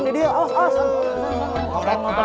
tidak tidak tidak